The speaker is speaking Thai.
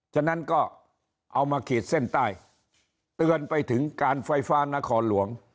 ฉะนั้นก็เอามาขีดเส้นใต้เตือนไปถึงการไฟฟ้านครหลวง